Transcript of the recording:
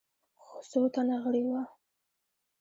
څو تنه غړي وه.